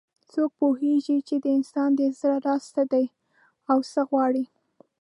څوک پوهیږي چې د انسان د زړه راز څه ده او څه غواړي